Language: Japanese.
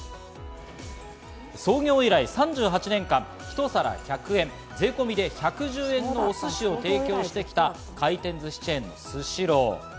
創業以来３８年間ひと皿１００円、税込みで１１０円の寿司を提供してきた回転ずしチェーン、スシロー。